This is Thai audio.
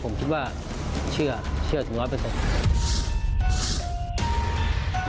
ผมคิดว่าเชื่อเชื่อสิ่งร้อยเป็นสิทธิ์